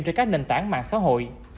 trên các nền tảng mạng xã hội